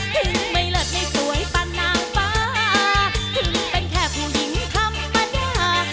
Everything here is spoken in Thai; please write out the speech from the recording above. ถึงไม่เลิศให้สวยปันนางฟ้าถึงเป็นแค่ผู้หญิงธรรมดา